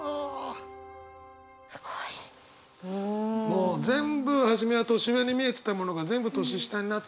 もう全部初めは年上に見えてたものが全部年下になってって。